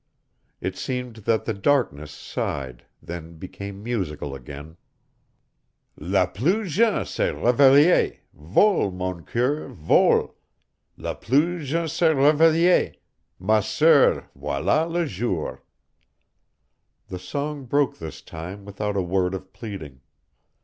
It seemed that the darkness sighed, then became musical again. "La plus jeun' se réveille, Vole, mon coeur, vole! La plus jeun' se réveille Ma Soeur, voilà le jour!" The song broke this time without a word of pleading.